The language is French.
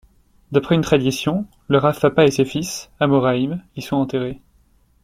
D'après une tradition, le Rav Papa et ses fils, amoraïm, y sont enterrés.